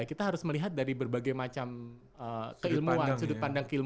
kita harus melihat dari berbagai macam keilmuan sudut pandang keilmuan